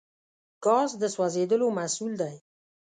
ګاز د سوځیدلو محصول دی.